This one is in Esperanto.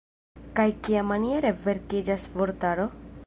Kaj kiamaniere verkiĝas vortaro?